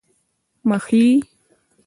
مخې،